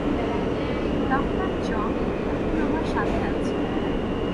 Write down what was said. ডাঃ জং এখন আমার সাথে আছে।